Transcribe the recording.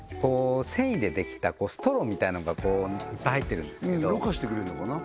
繊維でできたストローみたいなのがいっぱい入ってるんですけどろ過してくれんのかな？